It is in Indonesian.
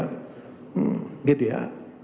hmm gitu ya